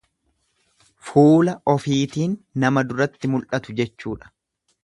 Fuula ofitiin nama duratti mul'atu jechuudha.